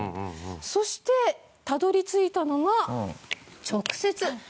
そしてたどり着いたのが。